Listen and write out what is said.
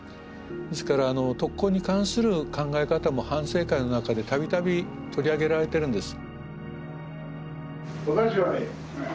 ですから特攻に関する考え方も反省会の中で度々取り上げられてるんです。